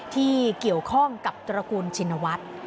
ที่เกี่ยวข้องกับตระกูลชินวัฒน์